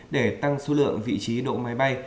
để tăng số lượng vị trí độ máy bay